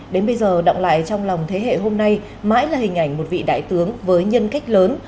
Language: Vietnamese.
đến bây giờ động lại trong lòng thế hệ hôm nay mãi là hình ảnh một vị đại tướng với nhân cách lớn